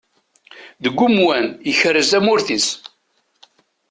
Deg umwan, ikerrez tamurt-is.